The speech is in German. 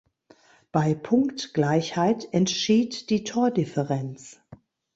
Bei Punktgleichheit entschied die Tordifferenz.